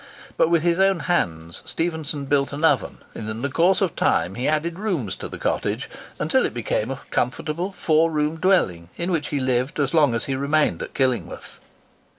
But with his own hands Stephenson built an oven, and in the course of time he added rooms to the cottage, until it became a comfortable four roomed dwelling, in which he lived as long as he remained at Killingworth.